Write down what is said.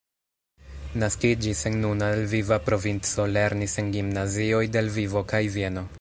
Naskiĝis en nuna Lviva provinco, lernis en gimnazioj de Lvivo kaj Vieno.